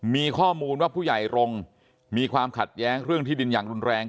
มีข้อมูลว่าผู้ใหญ่รงค์มีความขัดแย้งเรื่องที่ดินอย่างรุนแรง